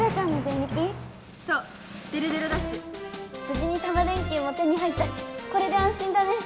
ぶじにタマ電Ｑも手に入ったしこれであん心だね！